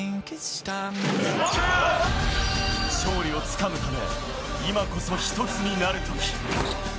勝利をつかむため、今こそ１つになるとき。